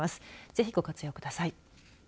ぜひご活用ください。